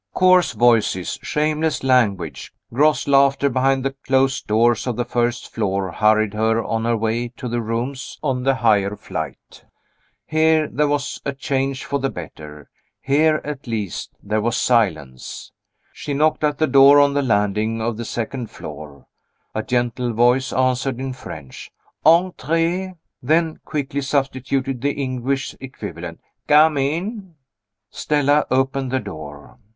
Coarse voices, shameless language, gross laughter behind the closed doors of the first floor hurried her on her way to the rooms on the higher flight. Here there was a change for the better here, at least, there was silence. She knocked at the door on the landing of the second floor. A gentle voice answered, in French; "Entrez!" then quickly substituted the English equivalent, "Come in!" Stella opened the door.